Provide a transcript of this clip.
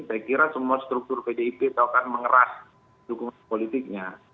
saya kira semua struktur pdip itu akan mengeras dukungan politiknya